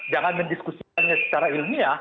jangan mendiskusikannya secara ilmiah